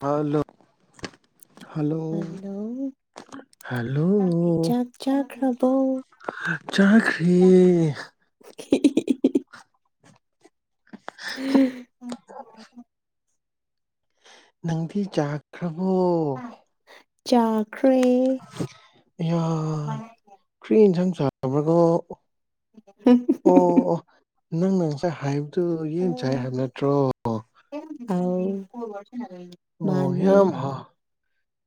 ꯍꯥꯜꯂꯣ hello hello hello ꯆꯥꯛꯈ꯭ꯔꯕ__ ꯆꯥꯈ꯭ꯔꯦ ꯍꯤꯍꯤ ꯍ ꯅꯪꯗꯤ ꯆꯥꯛꯈ꯭ꯔꯕꯣ [unintelligible] ꯆꯥꯈ꯭ꯔꯦ ꯑꯌꯥ ꯀ꯭ꯔꯤ ꯏꯟꯖꯥꯡ ꯆꯕꯀꯣ ꯑꯣ ꯑꯣ ꯅꯪꯅ ꯉꯁꯥꯏ ꯍꯥꯏꯕꯗꯨ ꯌꯦꯟ ꯆꯥꯏ ꯍꯥꯏꯕ ꯅꯠꯇ꯭ꯔꯣ [unintelligible] ꯑꯧ ꯐꯣꯜ ꯋꯥꯔꯤ ꯁꯥꯟꯅꯗꯣꯏꯅꯦ ꯑꯣ ꯌꯥꯝ ꯍꯥ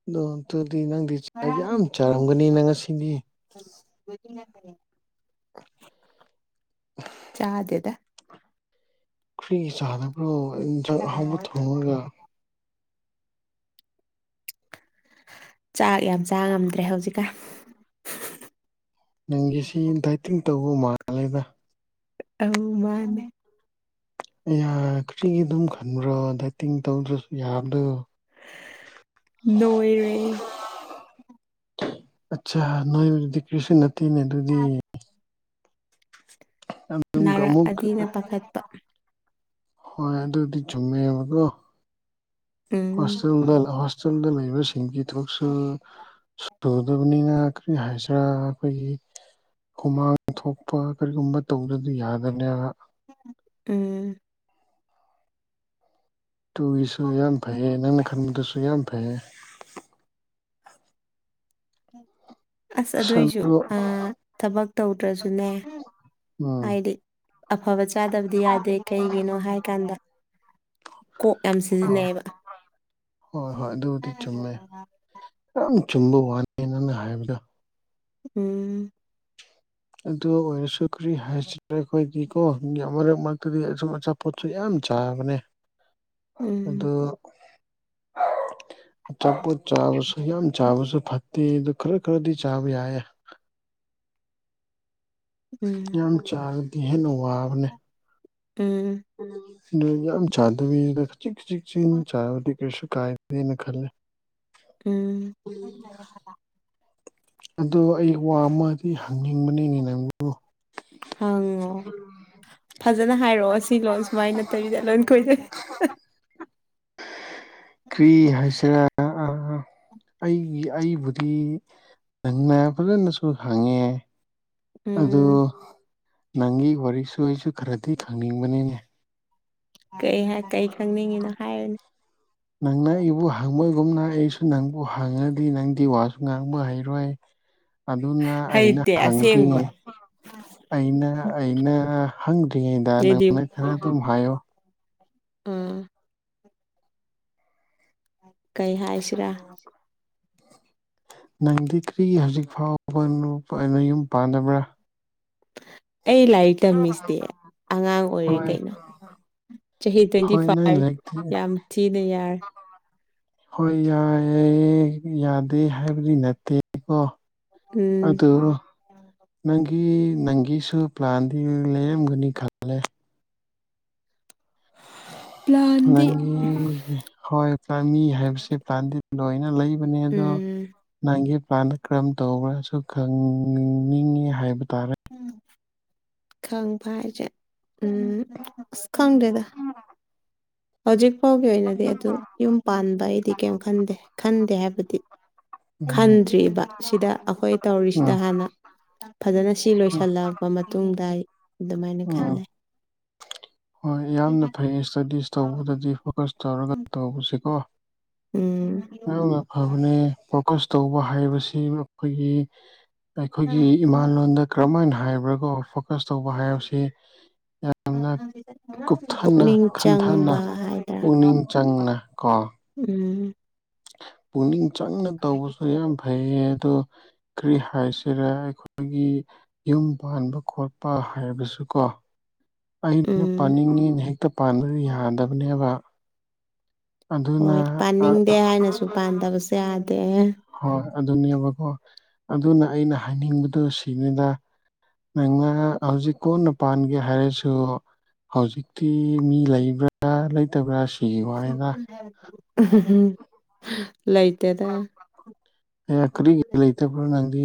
ꯑꯗꯣ ꯑꯝꯇꯗꯤ ꯅꯪꯗꯤ ꯆꯥꯛ ꯌꯥꯝ ꯆꯥꯔꯝꯒꯅꯤꯅ ꯉꯁꯤꯗꯤ ꯆꯥꯗꯦꯗ ꯐ꯭ꯔꯤ ꯆꯥꯅꯕ꯭ꯔꯣ ꯏꯪꯖꯥꯡ ꯑꯍꯥꯎꯕ ꯊꯣꯡꯉꯒ ꯆꯥꯛ ꯌꯥꯝ ꯆꯥ ꯉꯝꯗ꯭ꯔꯦ ꯍꯧꯖꯤꯛꯀꯥꯟ ꯅꯪꯒꯤꯁꯤ ꯗꯥꯏꯇꯤꯡ ꯇꯧꯕ ꯃꯥꯜꯂꯦꯗ ꯑꯧ ꯃꯥꯅꯦ ꯑꯌꯥ ꯀꯔꯤꯒꯤ ꯑꯗꯨꯝ ꯈꯟꯕ꯭ꯔꯣ ꯗꯥꯏꯇꯤꯡ ꯇꯧꯗ꯭ꯔꯁꯨ ꯌꯥꯕꯗꯣ ꯅꯣꯏꯔꯦ ꯑꯠꯁꯥ ꯅ‌ꯣꯏꯕꯗꯨꯗꯤ ꯀ꯭ꯔꯤꯁꯨ ꯅꯠꯇ‌ꯦꯅꯦ ꯑꯗꯨꯗꯤ ꯑꯝꯇꯨꯡꯒꯥ ꯑꯃꯨꯛ ꯑꯥ ꯗꯠꯄꯥ ꯍꯣꯏ ꯑꯗꯨꯗꯤ ꯆꯨꯝꯃꯦꯕꯀꯣ ꯎꯝ ꯑꯁꯦꯡꯕꯜ ꯍꯣꯁꯇꯦꯜꯗ ꯂꯩꯕꯁꯤꯡꯒꯤ ꯊꯥꯕꯠꯁꯨ ꯁꯨ ꯇꯨꯗꯕꯅꯤꯅ ꯀꯔꯤ ꯍꯥꯏꯁꯤꯔꯥ ꯑꯩꯈꯣꯏꯒꯤ ꯍꯨꯃꯥꯡ ꯊꯣꯛꯄ ꯀꯔꯤꯒꯨꯝꯕ ꯇꯧꯗꯗꯤ ꯌꯥꯗꯝꯅꯦꯕ ꯎꯝ ꯇꯨꯒꯤꯁꯨ ꯌꯥꯝ ꯐꯩꯌꯦ ꯅꯪꯅ ꯈꯟꯕꯗꯨꯁꯨ ꯌꯥꯝ ꯐꯩꯌꯦ ꯑꯁ ꯑꯗꯣꯏꯁꯨ ꯑꯥ ꯊꯕꯛ ꯇꯧꯗ꯭ꯔꯁꯨꯅꯦ ꯎꯝ ꯍꯥꯏꯗꯤ ꯑꯐꯕ ꯆꯥꯗꯕꯗꯤ ꯌꯥꯗꯦ ꯀꯩꯒꯤꯅꯣ ꯍꯥꯏ ꯀꯥꯟꯗ ꯀꯣꯛ ꯌꯥꯝ ꯑꯥ ꯁꯤꯖꯤꯟꯅꯩꯌꯦꯕ ꯍꯣꯏ ꯍꯣꯏ ꯑꯗꯨꯕꯨꯗꯤ ꯆꯨꯝꯃꯦ ꯌꯥꯝ ꯆꯨꯝꯕ ꯋꯥꯅꯤ ꯅꯪꯅ ꯍꯥꯏꯕꯗꯣ ꯎꯝ ꯑꯗꯨ ꯑꯣꯏꯔꯁꯨ ꯀ꯭ꯔꯤ ꯍꯥꯏꯁꯤꯔ ꯑꯩꯈꯣꯏꯒꯤꯀꯣ ꯃꯌꯥꯝ ꯃꯔꯛ ꯃꯔꯛꯇꯗꯤ ꯑꯁꯨꯝ ꯑꯆꯥ ꯄꯣꯠꯁꯨ ꯌꯥꯝ ꯆꯥꯕꯅꯦ ꯎꯝ ꯑꯗꯨ ꯑꯆꯥꯄꯣꯠ ꯆꯥꯕꯁꯨ ꯌꯥꯝ ꯆꯥꯕꯁꯨ ꯐꯠꯇꯦ ꯑꯗꯨ ꯈꯔ ꯈꯔꯗꯤ ꯆꯥꯕ ꯌꯥꯏꯌꯦ ꯎꯝ ꯌꯥꯝ ꯆꯥꯔꯗꯤ ꯍꯦꯟꯅ ꯋꯥꯕꯅꯦ ꯎꯝ ꯎꯝ ꯑꯗꯨ ꯌꯥꯝ ꯆꯥꯗꯕꯤꯗ ꯈꯖꯤꯛ ꯈꯖꯤꯛ [unintelligible] ꯆꯥꯕꯗꯤ ꯀꯩꯁꯨ ꯀꯥꯏꯗꯦꯅ ꯈꯜꯂꯦ ꯎꯝ ꯎꯝ ꯑꯗꯨ ꯑꯩ ꯋꯥ ꯑꯃꯗꯤ ꯍꯪꯅꯤꯡꯕꯅꯤꯅ‌ꯦ ꯅꯪꯕꯨ ꯍꯪꯉꯣ ꯐꯖꯅ ꯍꯥꯏꯔꯛꯑꯣ ꯁꯤ ꯂꯣꯟ ꯁꯨꯃꯥꯏ ꯅꯠꯇꯕꯤꯗ ꯂꯣꯟ ꯈ‌ꯣꯏꯗꯕꯤꯗ ꯀ꯭ꯔꯤ ꯍꯥꯏꯁꯤꯔ ꯑꯩꯒꯤ ꯑꯩꯕꯨꯗꯤ ꯅꯪꯅ ꯐꯖꯅꯁꯨ ꯍꯪꯉꯦ ꯑꯗꯨ ꯎꯝ ꯅꯪꯒꯤ ꯋꯥꯔꯤꯁꯨ ꯑꯩꯁꯨ ꯈꯔꯗꯤ ꯈꯪꯅꯤꯡꯕꯅꯤꯅꯦ ꯀꯩ ꯍꯥꯏ ꯀꯩ ꯈꯪꯅꯤꯡꯉꯤꯅꯣ ꯍꯥꯏꯌꯨꯅꯦ ꯅꯪꯅ ꯑꯩꯕꯨ ꯍꯪꯕꯒꯨꯝꯅ ꯑꯩꯁꯨ ꯅꯪꯕꯨ ꯍꯪꯉꯗꯤ ꯅꯪꯗꯤ ꯋꯥꯁꯨ ꯉꯥꯡꯕ ꯍꯩꯔꯣꯏ ꯑꯗꯨꯅ ꯑꯩꯅ ꯍꯩꯇꯦ ꯑꯁꯦꯡꯕ ꯍꯪꯗ꯭ꯔꯤꯉꯩ ꯑꯩꯅ ꯑꯩꯅ ꯍꯪꯗ꯭ꯔꯤꯉꯩꯗ ꯑꯗꯨꯗꯤ ꯅꯪꯅ ꯈꯔ ꯑꯗꯨꯝ ꯍꯥꯏꯌꯣ ꯑꯥ ꯀꯩ ꯍꯥꯏꯁꯤꯔꯥ [inaudible] [inaudible] ꯅꯪꯗꯤ ꯀ꯭ꯔꯤꯒꯤ ꯍꯧꯖꯤꯛ ꯐꯥꯎꯕ ꯅꯨꯄꯥ ꯑꯦ ꯅꯌꯨꯝ ꯄꯥꯟꯗꯕ꯭ꯔꯥ ꯑꯩ ꯂꯥꯏꯔꯤꯛ ꯇꯝꯃꯤꯁꯤꯗꯤ ꯑꯉꯥꯡ ꯑꯣꯏꯔꯤ ꯍꯣꯏ ꯀꯩꯅꯣ ꯆꯍꯤ ꯇ꯭ꯋꯦꯟꯇꯤ ꯍꯣꯏ ꯅꯪ ꯐꯥꯏꯚ ꯂꯥꯏꯔꯤꯛꯇꯤ ꯌꯥꯝ ꯊꯤꯅ ꯌꯥꯔꯦ ꯍꯣꯏ ꯌꯥꯏꯌꯦ ꯌꯥꯗꯦ ꯍꯥꯏꯕꯗꯤ ꯅꯠꯇꯦꯀꯣ ꯎꯝ ꯑꯗꯨꯔꯣ ꯅꯪꯒꯤ ꯅꯪꯒꯤꯁꯨ ꯄ꯭ꯂꯥꯟꯗꯤ ꯂꯩꯔꯝꯒꯅꯤ ꯈꯜꯂꯦ ꯄ꯭ꯂꯥꯟꯗꯤ ꯅꯪꯒꯤ ꯍꯣꯏ ꯆꯥꯅꯤ ꯍꯥꯏꯕꯁꯦ ꯄ꯭ꯂꯥꯟꯗꯤ ꯂꯣꯏꯅ ꯂꯩꯕꯅꯦ ꯑꯗꯣ ꯎꯝ ꯅꯪꯒꯤ ꯄ꯭ꯂꯥꯟꯗ ꯀꯔꯝ ꯇꯧꯕ꯭ꯔꯥꯁꯨ ꯈꯪꯅꯤꯡꯉꯤ ꯍꯥꯏꯕ ꯇꯥꯔꯦ ꯎꯝ ꯈꯪꯕ ꯍꯥꯏꯖꯦ ꯎꯝ ꯑꯁ ꯈꯡꯗꯦꯗꯥ ꯍꯧꯖꯤꯛ ꯐꯥꯎꯒꯤ ꯑꯣꯏꯅꯗꯤ ꯑꯗꯨ ꯌꯨꯝ ꯄꯥꯟꯕꯩꯗꯤ ꯀꯩꯝ ꯈꯟꯗꯦ ꯈꯟꯗꯦ ꯍꯥꯏꯕꯗꯤ ꯎꯝ ꯈꯟꯗ꯭ꯔꯤꯕ ꯁꯤꯗ ꯑꯈꯣꯏ ꯇꯧꯔꯤꯁꯤꯗ ꯎꯝ ꯍꯥꯟꯅ ꯐꯖꯅ ꯁꯤ ꯂꯣꯏꯁꯜꯂꯕ ꯃꯇꯨꯡꯗ ꯑꯩ ꯑꯗꯨꯃꯥꯏꯅ ꯎꯝ ꯈꯜꯂꯦ ꯍꯣꯏ ꯌꯥꯝꯅ ꯐꯩꯌꯦ ꯁ꯭ꯇꯗꯤꯁ ꯇꯧꯕꯗꯗꯤ ꯐꯣꯀꯁ ꯇꯧꯔꯒ ꯇꯧꯕꯁꯤꯀꯣ ꯎꯝ ꯑꯗꯨꯅ ꯐꯕꯅꯦ ꯐꯣꯀꯁ ꯇꯧꯕ ꯍꯥꯏꯕꯁꯤ ꯑꯩꯈꯣꯏꯒꯤ ꯑꯩꯈꯣꯏꯒꯤ ꯏꯃꯥꯂꯣꯟꯗ ꯀꯔꯝꯃꯥꯏꯅꯥ ꯍꯥꯏꯕ꯭ꯔꯥꯀꯣ ꯐꯣꯀꯁ ꯇꯧꯕ ꯍꯥꯏꯕꯁꯤ ꯌꯥꯝꯅ ꯀꯨꯞꯊꯅ ꯄꯨꯛꯅꯤꯡ ꯈꯟꯊꯅ ꯆꯪꯕ ꯍꯥꯏꯗ꯭ꯔꯥ ꯄꯨꯛꯅꯤꯡ ꯆꯪꯅ ꯀꯣ ꯎꯝ ꯄꯨꯛꯅꯤꯡ ꯆꯪꯅ ꯇꯧꯕꯁꯨ ꯌꯥꯝ ꯐꯩꯌꯦ ꯑꯗꯣ ꯀ꯭ꯔꯤ ꯍꯥꯏꯁꯤꯔꯦ ꯑꯩꯈꯣꯏꯒꯤ ꯌꯨꯝ ꯄꯥꯟꯕ ꯈꯣꯠꯄ ꯍꯥꯏꯕꯁꯨ ꯀꯣ ꯑꯩꯅ ꯎꯝ ꯄꯥꯅꯤꯡꯉꯤꯅ ꯍꯦꯛꯇ ꯄꯥꯟꯕꯗꯨ ꯌꯥꯗꯕꯅꯦꯕ ꯑꯗꯨꯅ ꯍꯣꯏ ꯄꯥꯅꯤꯡꯗꯦ ꯍꯥꯏꯅꯁꯨ [unintelligible] ꯄꯥꯟꯗꯕꯁꯨ ꯌꯥꯗꯦ ꯍꯣꯏ ꯑꯗꯨꯅꯦꯕꯀꯣ ꯑꯗꯨꯅ ꯑꯩꯅ ꯍꯥꯏꯅꯤꯡꯕꯗꯨ ꯁꯤꯅꯤꯗ ꯅꯪꯅ ꯍꯧꯖꯤꯛ ꯀꯣꯟꯅ ꯄꯥꯟꯒꯦ ꯍꯥꯏꯔꯁꯨ ꯍꯧꯖꯤꯛꯇꯤ ꯃꯤ ꯂꯩꯕ꯭ꯔꯥ ꯂꯩꯇꯕ꯭ꯔꯥ ꯁꯤ [unintelligible] ꯂꯩꯇꯦꯗꯥ ꯑꯩꯌꯥ ꯀꯔꯤꯒꯤ ꯂꯩꯇꯕ꯭ꯔꯥ ꯅꯪꯗꯤ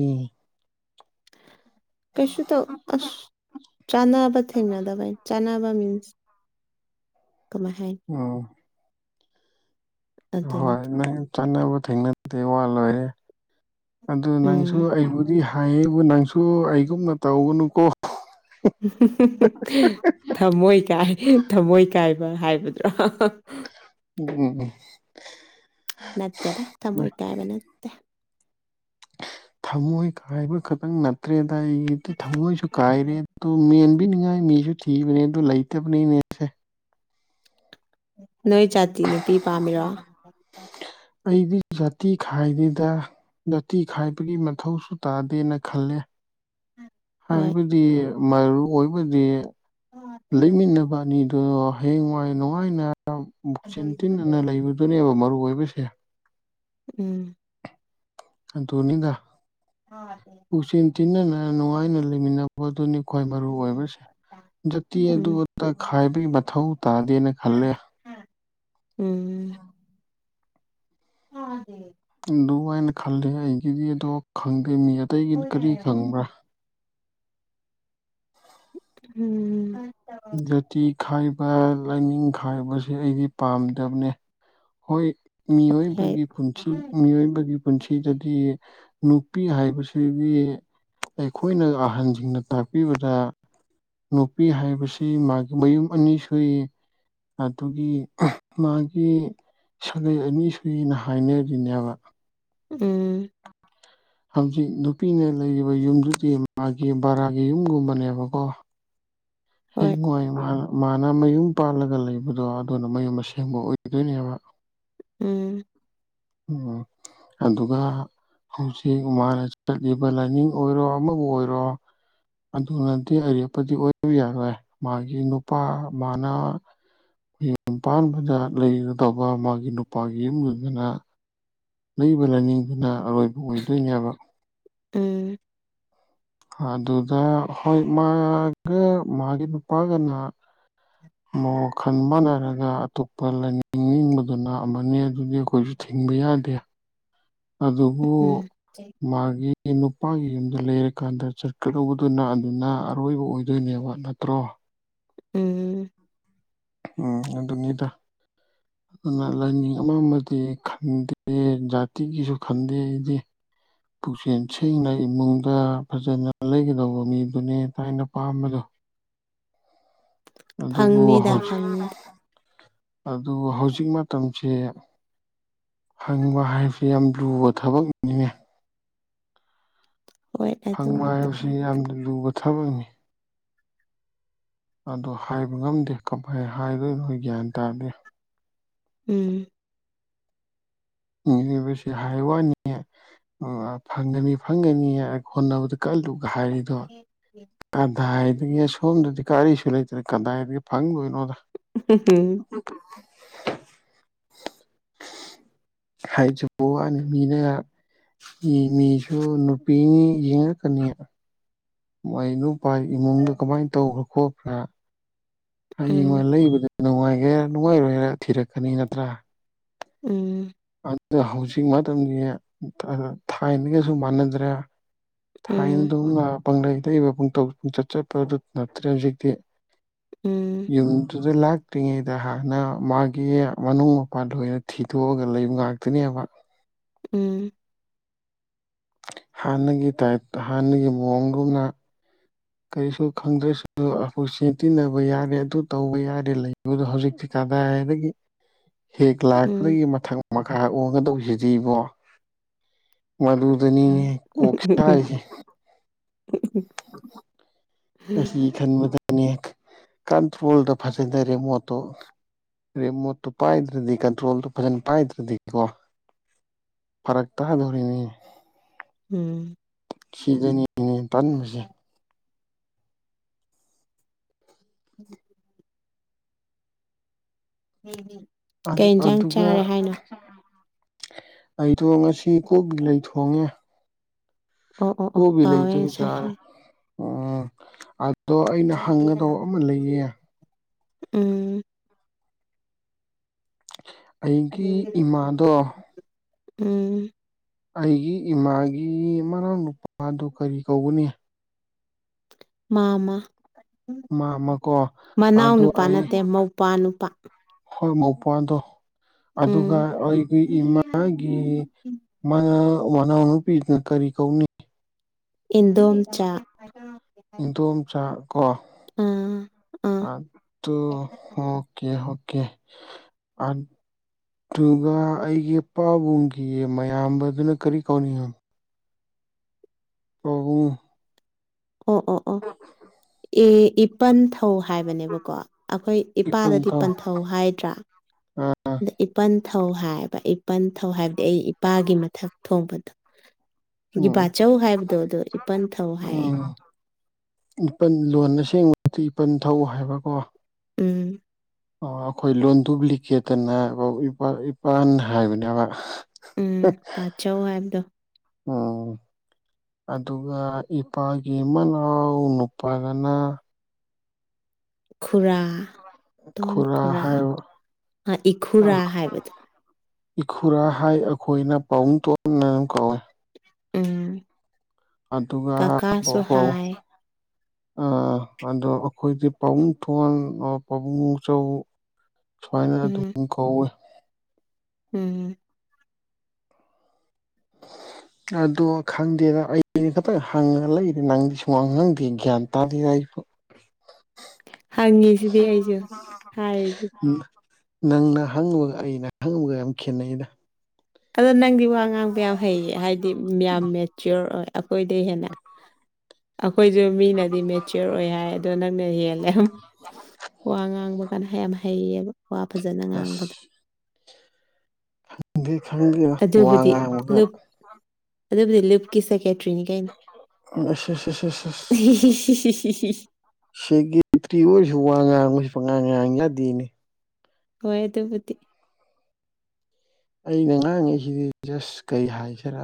ꯀꯩꯁꯨ ꯇꯧ ꯑꯁ ꯆꯅꯥꯕ ꯊꯦꯡꯅꯗꯕꯩ ꯆꯅꯥꯕ ꯃꯤꯟꯁ ꯀꯃꯥꯏ ꯍꯥꯏꯅꯤ ꯑꯣ ꯍꯣꯏ ꯑꯗꯨꯅꯤꯗ ꯅꯪ ꯆꯥꯅꯕ ꯊꯦꯡꯅꯗꯦ ꯋꯥ ꯂꯣꯏꯔꯦ ꯑꯗꯨ ꯎꯝ ꯅꯪꯁꯨ ꯑꯩꯕꯨꯗꯤ ꯍꯥꯏꯌꯦꯕꯨ ꯅꯪꯁꯨ ꯑꯩꯒꯨꯝꯅ ꯇꯧꯒꯅꯨꯀꯣ ꯊꯝꯃꯣꯏ ꯀꯥꯏ ꯊꯝꯃꯣꯏ ꯀꯥꯏꯕ ꯍꯥꯏꯕꯗꯨꯔꯣ ꯎꯝ ꯎꯝ ꯎꯝ ꯅꯠꯇꯦꯗ ꯎꯝ ꯊꯃꯣꯏ ꯀꯥꯏꯕ ꯅꯠꯇꯦ ꯊꯃꯣꯏ ꯀꯥꯏꯕ ꯈꯛꯇꯪ ꯅꯠꯇ꯭ꯔꯦꯗ ꯑꯩꯒꯤꯗꯤ ꯊꯝꯃꯣꯏꯁꯨ ꯀꯥꯏꯔꯦ ꯑꯗꯨ ꯃꯦꯟꯕꯤꯅꯤꯉꯥꯏ ꯃꯤꯁꯨ ꯊꯤꯕꯅꯦ ꯑꯗꯨ ꯂꯩꯇꯕꯅꯤꯅꯦ ꯅꯣꯏ ꯖꯥꯇꯤ ꯅꯨꯄꯤ ꯄꯥꯝꯃꯤꯔꯣ ꯑꯩꯗꯤ ꯖꯥꯇꯤ ꯈꯥꯏꯗꯦꯗ ꯖꯥꯇꯤ ꯈꯥꯏꯕꯒꯤ ꯃꯊꯧꯁꯨ ꯇꯥꯗꯦꯅ ꯈꯜꯂꯦ ꯍꯣꯏ ꯍꯥꯏꯕꯗꯤ ꯃꯔꯨ ꯑꯣꯏꯕꯗꯤ ꯂꯩꯃꯤꯟꯅꯕ ꯑꯅꯤꯗꯨ ꯍꯌꯦꯡꯋꯥꯏ ꯅꯨꯡꯉꯥꯏꯅ ꯄꯨꯛꯆꯦꯟ ꯇꯤꯟꯅꯅ ꯂꯩꯕ ꯑꯗꯨꯅꯦꯕ ꯃꯔꯨ ꯑꯣꯏꯕꯁꯦ ꯎꯝ ꯑꯗꯨꯅꯤꯗ ꯃꯥꯅꯤ ꯄꯨꯛꯆꯦꯟ ꯊꯤꯟꯅꯅ ꯅꯨꯡꯉꯥꯏꯅ ꯂꯩ ꯃꯤꯟ ꯗꯨꯅꯤ ꯈ꯭ꯋꯥꯏ ꯃꯔꯨ ꯑꯣꯏꯕꯁꯦ ꯖꯥꯇꯤ ꯑꯗꯨ ꯎꯝ ꯑꯗ ꯈꯥꯏꯕꯒꯤ ꯃꯊꯧ ꯇꯥꯗꯦꯅ ꯈꯜꯂꯦ ꯎꯝ ꯇꯥꯗꯦ ꯑꯗꯨꯃꯥꯏꯅ ꯈꯜꯂꯦ ꯑꯩꯒꯤꯗꯤ ꯑꯗꯣ ꯈꯪꯗꯦ ꯃꯤ ꯑꯇꯩꯒꯤ ꯀꯔꯤ ꯈꯟꯕ꯭ꯔꯥ ꯎꯝ ꯖꯥꯇꯤ ꯈꯥꯏꯕ ꯂꯥꯏꯅꯤꯡ ꯈꯥꯏꯕꯁꯦ ꯑꯩꯗꯤ ꯄꯥꯝꯗꯝꯅꯦ ꯍꯣꯏ ꯍꯣꯏ ꯃꯤꯑꯣꯏꯕꯒꯤ ꯄꯨꯟꯁꯤ ꯃꯤꯑꯣꯏꯕꯒꯤ ꯄꯨꯟꯁꯤꯗꯗꯤ ꯅꯨꯄꯤ ꯍꯥꯏꯕꯁꯤꯗꯤ ꯑꯩꯈꯣꯏꯅ ꯑꯍꯟꯁꯤꯡꯅ ꯇꯥꯛꯄꯤꯕꯗ ꯅꯨꯄꯤ ꯍꯥꯏꯕꯁꯤ ꯃꯥꯒꯤ ꯃꯌꯨꯝ ꯑꯅꯤ ꯁꯨꯏ ꯑꯗꯨꯒꯤ ꯃꯥꯒꯤ ꯁꯥꯒꯩ ꯑꯅꯤ ꯁꯨꯏꯅ ꯍꯥꯏꯅꯔꯤꯅꯦꯕ ꯎꯝ ꯍꯧꯖꯤꯛ ꯅꯨꯄꯤꯅ ꯂꯩꯔꯤꯕ ꯌꯨꯝꯗꯨꯗꯤ ꯃꯥꯒꯤ ꯕꯔꯥꯒꯤ ꯌꯨꯝꯒꯨꯝꯕꯅꯦꯕꯀꯣ ꯍꯣꯏ ꯍꯦꯡ ꯋꯥꯏ ꯃꯥ ꯃꯥꯅ ꯃꯌꯨꯝ ꯄꯥꯜꯂꯒ ꯂꯩꯕꯗꯣ ꯑꯗꯨꯅ ꯃꯌꯨꯝ ꯑꯁꯦꯡꯕ ꯑꯣꯏꯗꯣꯏꯅꯦꯕ ꯎꯝ ꯎꯝ ꯑꯗꯨꯒ ꯍꯧꯖꯤꯛ ꯃꯥꯅ ꯆꯠꯂꯤꯕ ꯂꯥꯏꯅꯤꯡ ꯑꯣꯏꯔꯣ ꯑꯃꯕꯨ ꯑꯣꯏꯔꯣ ꯑꯗꯨꯅꯗꯤ ꯑꯔꯦꯞꯄꯗꯤ ꯑꯣꯏꯕ ꯌꯥꯔꯣꯏ ꯃꯥꯒꯤ ꯅꯨꯄꯥ ꯃꯥꯅ ꯌꯨꯝ ꯄꯥꯟꯕꯗ ꯂꯩꯒꯗꯧꯕ ꯃꯥꯒꯤ ꯅꯨꯄꯥꯒꯤ ꯌꯨꯝꯗꯨꯗꯅ ꯂꯩꯕ ꯂꯥꯏꯅꯤꯡꯗꯨꯅ ꯑꯔꯣꯏꯕ ꯑꯣꯏꯗꯣꯏꯅꯦꯕ ꯎꯝ ꯑꯗꯨꯗ ꯍꯣꯏ ꯃꯥꯒ ꯃꯥꯒꯤ ꯅꯨꯄꯥꯒꯅ [unintelligible] ꯋꯥꯈꯜ ꯃꯥꯟꯅꯔꯒ ꯑꯇꯣꯞꯄ ꯂꯥꯏꯅꯤꯡꯅꯤꯡꯕꯗꯨꯅ ꯑꯃꯅꯤ ꯑꯗꯨꯗꯤ ꯑꯩꯈꯣꯏꯁꯨ ꯊꯤꯡꯕ ꯌꯥꯗꯦ ꯑꯗꯨꯕꯨ ꯎꯝ ꯃꯥꯒꯤ ꯅꯨꯄꯥꯒꯤ ꯌꯨꯝꯗ ꯂꯩꯔꯀꯥꯟꯗ ꯆꯠꯀꯗꯧꯕꯗꯨꯅ ꯑꯗꯨꯅ ꯑꯔꯣꯏꯕ ꯑꯣꯏ ꯑꯗꯣꯢꯅꯦꯕ ꯅꯠꯇ꯭ꯔꯣ ꯎꯝ ꯎꯝ ꯑꯗꯨꯅꯤꯗ ꯑꯗꯨꯅ ꯂꯥꯏꯅꯤꯡ ꯑꯃꯃꯗꯤ ꯈꯟꯗꯦ ꯖꯥꯇꯤꯒꯤꯁꯨ ꯈꯟꯗꯦ ꯑꯩꯗꯤ ꯄꯨꯛꯆꯦꯜ ꯁꯦꯡꯅ ꯏꯃꯨꯡꯗ ꯐꯖꯅ ꯂꯩꯒꯗꯧꯕ ꯃꯤꯗꯨꯅꯦ ꯊꯥꯏꯅ ꯄꯥꯝꯕꯗꯣ ꯑꯗꯨꯕꯨ ꯐꯪꯅꯤꯗ ꯍꯧꯖꯤꯛ ꯐꯪꯅꯤꯗ ꯑꯗꯨ ꯍꯧꯖꯤꯛ ꯃꯇꯝꯁꯦ ꯍꯪꯕ ꯍꯥꯏꯕꯁꯤ ꯌꯥꯝ ꯂꯨꯕ ꯊꯕꯛꯅꯤ ꯍꯣꯏ ꯐꯪꯕ ꯑꯗꯨꯕꯨꯗꯤ ꯍꯥꯏꯕꯁꯤ ꯌꯥꯝꯅ ꯂꯨꯕ ꯊꯕꯛꯅꯤ ꯑꯗꯣ ꯍꯥꯏꯕ ꯉꯝꯗꯦ ꯀꯃꯥꯏ ꯍꯥꯏꯗꯣꯏꯅꯣ ꯒ꯭ꯌꯥꯟ ꯇꯥꯗꯦ ꯎꯝ [unintelligible] ꯍꯥꯏ ꯋꯥꯅꯤ ꯑꯪ ꯑꯥ ꯐꯪꯒꯅꯤ ꯐꯪꯒꯅꯤ ꯍꯣꯠꯅꯕꯗ ꯀꯜꯂꯨꯒ ꯍꯥꯏꯔꯤꯗꯣ ꯀꯗꯥꯏꯗꯒꯤ ꯁꯣꯝꯗꯗꯤ ꯀꯔꯤꯁꯨ ꯂꯩꯇꯅ ꯀꯗꯥꯏꯗꯤ ꯐꯪꯗꯣꯏꯅꯣꯗ ꯍꯝ ꯍꯝ [unintelligible] ꯍꯥꯏꯖꯕꯣ ꯋꯥꯅꯤ ꯃꯤꯅ ꯑꯦ ꯃꯤꯁꯨ ꯅꯨꯄꯤꯅꯤ ꯌꯦꯡꯉꯛꯀꯅꯤꯕ ꯃꯥꯢ ꯅꯨꯨꯄꯥꯥꯏ ꯏꯃꯨꯡꯗꯣ ꯀꯃꯥꯏꯅ ꯇꯧꯕ꯭ꯔꯥ ꯈꯣꯠꯄ꯭ꯔꯥ ꯍꯌꯦꯡꯋꯥꯢ ꯎꯝ ꯂꯩꯕꯗ ꯅꯨꯡꯉꯥꯏꯒꯦꯔ ꯅꯨꯡꯉꯥꯏꯔꯣꯏꯔ ꯊꯤꯔꯛꯀꯅꯤ ꯅꯠꯇ꯭ꯔꯥ ꯎꯝ ꯑꯗꯨꯗ ꯍꯧꯖꯤꯛ ꯃꯇꯝꯗꯤ ꯊꯥꯏꯅꯒꯁꯨ ꯃꯥꯟꯅꯗ꯭ꯔꯦ ꯊꯥꯏꯅ ꯎꯝ ꯗꯧꯅ ꯄꯪꯂꯩ ꯂꯩꯕ ꯄꯪꯇꯧ ꯄꯨꯡꯆꯠ ꯆꯠꯄꯗꯨ ꯅꯠꯇ꯭ꯔꯦ ꯍꯧꯖꯤꯛꯇꯤ ꯎꯝ ꯌꯨꯝꯗꯨꯗ ꯂꯥꯛꯇ꯭ꯔꯤꯉꯩꯗ ꯍꯥꯟꯅ ꯃꯥꯒꯤ ꯃꯅꯨꯡ ꯃꯄꯥꯟ ꯂꯣꯢꯟ ꯊꯤꯗꯣꯛꯑꯒ ꯂꯩꯕ ꯉꯥꯛꯇꯅꯦꯕ ꯎꯝ ꯍꯥꯟꯅꯒꯤ ꯇꯥꯏꯞ ꯍꯥꯟꯅꯒꯤ ꯃꯑꯣꯡꯒꯨꯝꯅ ꯀꯔꯤꯁꯨ ꯈꯪꯗ꯭ꯔꯁꯨ ꯄꯨꯟꯁꯤ ꯇꯤꯟꯅꯕ ꯌꯥꯔꯦ ꯑꯗꯨ ꯇꯧꯕ ꯌꯥꯔꯦ ꯂꯩꯕꯗꯣ ꯍꯧꯖꯤꯛꯇꯤ ꯀꯗꯥꯢꯗꯒꯤ ꯍꯦꯛ ꯂꯥꯛꯄꯗꯒꯤ ꯎꯝ ꯃꯊꯪ ꯃꯈꯥ ꯑꯣꯡꯒꯗꯧꯁꯤꯔꯤꯕꯣ ꯃꯗꯨꯨꯗꯅꯤꯅꯤ ꯀꫭꯛ ꯁꯔꯤꯁꯦ [inaudible] ꯑꯁꯤ ꯈꯟꯕꯗꯅꯦ ꯀꯟꯇ꯭ꯔꯣꯜꯗ ꯐꯖꯗ ꯗꯨ ꯃꫭꯠꯇꯣ ꯔꯦꯃꯣꯠꯇꯨ ꯄꯥꯏꯗ꯭ꯔꯗꯤ ꯀꯟꯇ꯭ꯔꯣꯜꯗꯣ ꯐꯖꯅ ꯄꯥꯏꯗ꯭ꯔꯗꯤ ꯀꯣ ꯐꯔꯛ ꯇꯗꯧꯔꯤꯅꯤ ꯎꯝ ꯁꯤꯗꯅꯤꯅꯦ ꯇꯟꯕꯁꯦ ꯎꯝ ꯎꯝ ꯀꯩ ꯏꯟꯁꯥꯡ ꯑꯗꯨꯒ ꯆꯥꯔꯦ ꯍꯥꯏꯅꯣ ꯑꯩꯗꯣ ꯉꯁꯤ ꯀꯣꯕꯤ ꯂꯩ ꯊꯣꯡꯉꯦ ꯑꯣ ꯑꯣ ꯑꯣ ꯀꯣꯕꯤ ꯂꯩ ꯀꯥꯎꯋꯦ ꯗꯨꯒ ꯆꯥꯔꯦ ꯉꯁꯥꯏ ꯎꯝ ꯑꯗꯣ ꯑꯩꯅ ꯍꯪꯒꯗꯧꯕ ꯑꯃ ꯂꯩꯌꯦ ꯎꯝ ꯑꯩꯒꯤ ꯏꯃꯥꯗꯣ ꯎꯝ ꯑꯩꯒꯤ ꯏꯃꯥꯒꯤ ꯃꯅꯥꯎ ꯅꯨꯨꯄꯥꯗꯨ ꯀꯔꯤ ꯀꯧꯒꯅꯤ ꯃꯥꯃ ꯃꯥꯃꯀꯣ ꯃꯅꯥꯎ ꯑꯗꯣ ꯅꯨꯄꯥ ꯑꯩ ꯅꯠꯇꯦ ꯃꯧꯄꯥ ꯅꯨꯄꯥ꯫ ꯍꯣꯏ ꯃꯧꯄꯥꯗꯣ ꯑꯗꯨꯒ ꯎꯝ ꯑꯩꯒꯤ ꯏꯃꯥꯒꯤ ꯃꯅꯥꯎ ꯃꯅꯥꯎꯅꯨꯄꯤꯗꯨꯅ ꯀꯔꯤ ꯀꯧꯅꯤ ꯏꯟꯗꯣꯝꯆꯥ ꯏꯟꯗꫭꯝꯆꯥ ꯀꫭ ꯑꯥ ꯑꯥ ꯑꯗꫭ ꯑꫭꯀꯦ ꯍꫭꯀꯦ ꯑ ꯑꯗꯨꯒ ꯑꯩꯒꯤ ꯄꯥꯕꯨꯡꯒꯤ ꯃꯌꯥꯝꯕꯗꯨꯅ ꯀꯔꯤ ꯀꯧꯅꯤꯡ ꯄꯕꯨꯡ ꯑꯣ ꯑꯣ ꯑꯣ ꯑꯦ ꯏꯞ ꯄꯟꯊꯧ ꯍꯥꯏꯕꯅꯦꯕꯀꯣ ꯑꯩꯈꯣꯏ ꯏꯄꯟ ꯏꯄꯥꯗꯗꯤ ꯊꯧ ꯄꯟꯊꯧ ꯍꯥꯏꯗ꯭ꯔꯥ ꯑꯗ ꯏꯄꯟ ꯊꯧ ꯍꯥꯏꯕ ꯏꯄꯟ ꯊꯧ ꯍꯥꯏꯕꯗꯤ ꯑꯩ ꯏꯄꯥꯒꯤ ꯃꯊꯛ ꯊꯣꯛꯕꯗꯣ ꯈꫭꯏꯒꯤ ꯎꯝ ꯕꯆꯧ ꯍꯥꯏꯕꯗꯣ ꯑꯗꯣ ꯏꯄꯟ ꯊꯧ ꯍꯥꯏꯌꯦ ꯏꯄꯜ ꯂꯣꯟ ꯑꯁꯦꯡꯕꯗꯗꯤ ꯏꯄꯜ ꯊꯧ ꯍꯥꯏꯕꯀꯣ ꯎꯝ ꯑ ꯑꯩꯈꯣꯏ ꯂꯣꯟ ꯗꯨꯕ꯭ꯂꯤꯀꯦꯠꯇꯅ ꯍꫭ ꯏꯄꯟ ꯏꯄꯟ ꯍꯥꯏꯕꯅꯦꯕ ꯎꯝ ꯕꯥꯆꯧ ꯍꯥꯏꯕꯗꯣ ꯎꯝ ꯑꯗꯨꯒ ꯏꯄꯥꯒꯤ ꯃꯅꯥꯎ ꯅꯨꯄꯥꯗꯅ ꯈꯨꯔꯥ ꯇꯣꯟ ꯈꯨꯔꯥ ꯏꯈꯨꯔꯥ ꯍꯥꯏꯕꯗꯣ ꯏꯈꯨꯔꯥ ꯍꯥꯏ ꯑꯩꯈꯣꯏꯅ ꯄꯥꯕꯨꯡ ꯇꯣꯟꯅ ꯀꯧꯋꯦ ꯎꯝ ꯑꯗꯨꯒ ꯄꯧ ꯀꯀꯥꯁꯨ ꯄꯧ ꯍꯥꯏ ꯑ ꯑꯗꯣ ꯑꯩꯈꯣꯏꯗꯤ ꯄꯥꯕꯨꯡ ꯊꯣꯟ ꯑꯔ ꯄꯥꯕꯨꯡꯆꯧ ꯁꯨꯃꯥꯏꯅ ꯎꯝ ꯑꯗꯨꯝ ꯀꯧꯋꯦ ꯎꯝ [inaudible] ꯑꯗꯣ ꯈꯪꯗꯦꯗ ꯑꯩꯗꯤ ꯈꯇꯪ ꯍꯪꯉ ꯂꯩꯔꯦ ꯅꯪꯗꯤ ꯁꯨꯉꯥꯡ ꯉꯥꯡꯗꯦ ꯒ꯭ꯌꯥꯟ ꯇꯥꯗꯦꯗ ꯑꯩ [unintelligible] ꯍꯪꯉꯤꯁꯤꯗꯤ ꯑꯩꯁꯨ ꯍꯥꯏꯗ ꯅꯪꯅ ꯍꯪꯉꯕꯒ ꯑꯩꯅ ꯍꯪꯨꯒ ꯌꯥꯝ ꯈꯦꯠꯅꯩꯗ ꯑꯗꯣ ꯅꯪꯗꯤ ꯋꯥ ꯉꯥꯡꯕ ꯌꯥꯝ ꯍꯩꯌꯦ ꯍꯥꯏꯗꯤ ꯌꯥꯝ ꯃꯦꯆ꯭ꯌꯣꯔ ꯑꯣꯏ ꯑꯩꯈꯣꯏꯗ ꯍꯦꯟꯅ ꯑꯩꯈꯣꯏꯁꯨ ꯃꯤꯅꯗꯤ ꯃꯦ ꯐꯆꯤꯌꯔ ꯑꯣꯏ ꯍꯥꯏ ꯑꯗꯣ ꯅꯪꯅ ꯍꯦꯜꯂꯦ ꯌꯥꯝ ꯋꯥ ꯉꯥꯡꯕ ꯀꯥꯟꯅ ꯍꯩ ꯌꯥꯝ ꯍꯩꯌꯦꯕ ꯋꯥ ꯐꯖꯅ ꯑꯁ ꯉꯥꯡꯕꯗꯣ ꯗꯤ ꯈꯪꯗꯦ ꯑꯗꯨꯕꯨꯗꯤ [unintelligible] ꯂꯨꯞ ꯑꯗꯨꯕꯨꯗꯤ ꯂꯤꯞꯀꯤ ꯁꯦꯀꯦꯇ꯭ꯔꯤꯅꯤ ꯀꯩꯅꯣ ꯑꯁ ꯑꯁ ꯑꯁ ꯑꯁ [unintelligible] ꯁꯤꯒꯤꯇ꯭ꯔꯤ ꯑꯣꯏꯔꯁꯨ ꯋꯥ ꯉꯥꯡꯕꯁꯦ ꯄꯉꯥꯡ ꯉꯥꯡ ꯅꯥꯗꯦꯅꯦ ꯍꯣꯏ ꯑꯗꯨꯕꯨꯗꯤ ꯑꯩꯅ ꯉꯥꯡꯉꯤꯁꯤꯗꯤ ꯖꯁ ꯀꯩ ꯍꯥꯏꯁꯤꯔ